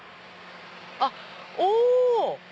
あっお！